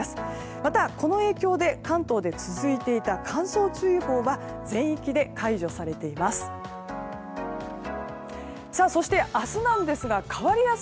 また、この影響で関東で続いていた乾燥注意報は全域で解除されています。